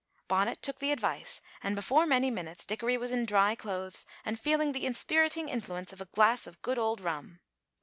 Bonnet took the advice, and before many minutes Dickory was in dry clothes and feeling the inspiriting influence of a glass of good old rum.